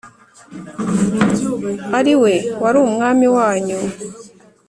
Ari we wari umwami wanyu